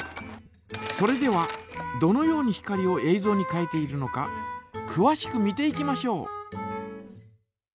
それではどのように光をえいぞうに変えているのかくわしく見ていきましょう。